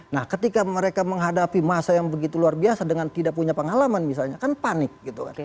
nah ketika mereka menghadapi masa yang begitu luar biasa dengan tidak punya pengalaman misalnya kan panik gitu kan